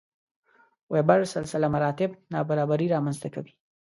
وېبر سلسله مراتب نابرابري رامنځته کوي.